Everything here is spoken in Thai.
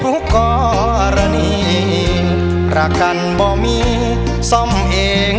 อุบันติเหตุหัวหัวใจหุกรณีรักกันบ่มีส่องเองชายเอง